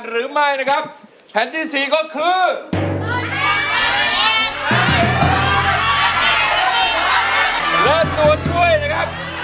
ใช้เท่าไรก็ไม่ให้บรรเทาอากาศ